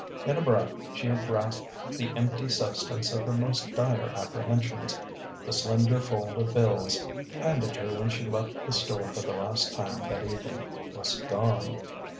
In a breath she had grasped the empty substance of her most dire apprehensions: the slender fold of bills, handed her when she left the store for the last time that evening, was gone.